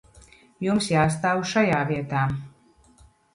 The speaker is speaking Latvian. Jums jāstāv šajā vietā.